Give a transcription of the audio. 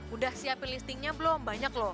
udah siapin listingnya belum banyak loh